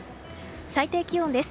最低気温です。